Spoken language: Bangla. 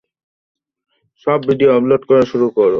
সব ভিডিও আপলোড করা শুরু কর।